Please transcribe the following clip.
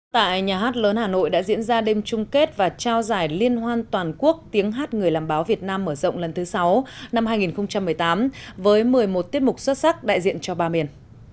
tại nhà hát lớn hà nội đã diễn ra đêm chung kết và trao giải liên hoan toàn quốc tiếng hát người làm báo việt nam mở rộng lần thứ sáu năm hai nghìn một mươi tám với một mươi một tiết mục xuất sắc đại diện cho ba miền